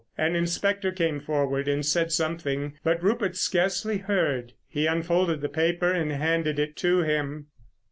An inspector came forward and said something, but Rupert scarcely heard. He unfolded the paper and handed it to him.